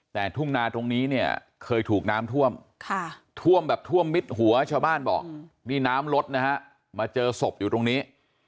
แต่ทุ่งนาตรงนี้เนี่ยเคยถูกน้ำท่วมท่วมแบบท่วมมิดหัวชาวบ้านบอกนี่น้ำลดนะฮะมาเจอศพอยู่ตรงนี้